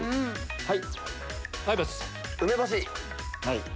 はい！